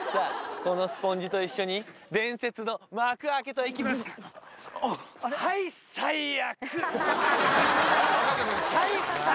このスポンジと一緒に伝説の幕開けといきますかあっはい最悪！